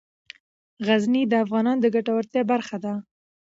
غزني د افغانانو د ګټورتیا برخه ده.